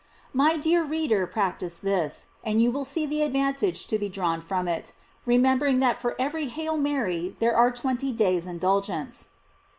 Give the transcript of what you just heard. My dear reader, practise this, and you will see the advantage to be drawn from it; remembering that for every "Hail Mary" there are twenty days' indulgence.